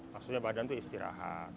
maksudnya badan itu istirahat